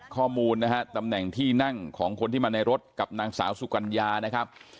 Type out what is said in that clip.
ข้อมูลนะฮะตำแหน่งที่นั่งของคนที่มาในรถกับนางสาวสุกัญญานะครับ